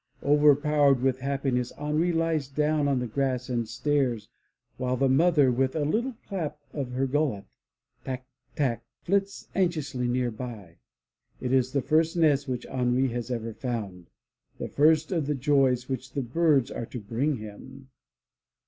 Overpowered with happiness, Henri lies down on the grass and stares, while the mother, with a little clap of her gullet — Tack! Tack! flits anxiously near by. It is* the first nest which Henri has ever found, the first of the joys which the birds are to bring him.